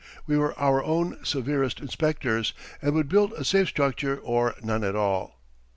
We were our own severest inspectors, and would build a safe structure or none at all.